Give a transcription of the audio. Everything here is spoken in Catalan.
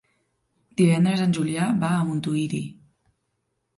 Divendres en Julià va a Montuïri.